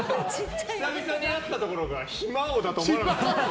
久々に会ったところが暇王だと思わなかった。